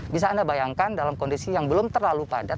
bisa anda bayangkan dalam kondisi yang belum terlalu padat